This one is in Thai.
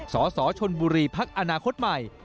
สสชนบุรีพักอนาคตใหม่